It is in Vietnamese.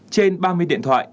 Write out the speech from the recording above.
trên ba mươi điện thoại